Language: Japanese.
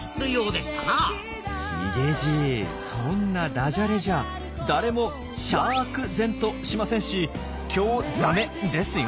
ヒゲじいそんなダジャレじゃ誰もシャクぜんとしませんし興ザメですよ。